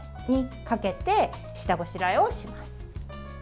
かけて、下ごしらえをします。